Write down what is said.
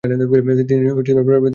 তিনি প্রস্তুত ছিলেন না।